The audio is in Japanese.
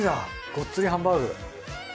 ごっつりハンバーグ。